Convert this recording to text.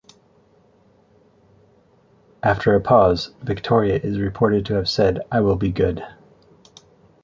After a pause, Victoria is reported to have said I will be good.